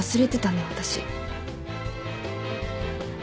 私。